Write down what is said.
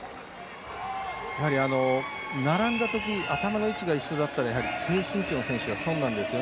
やはり並んだとき頭の位置が一緒だと低身長の選手はそんなんです。